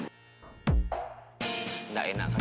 kita bicarakan baik baik di dalam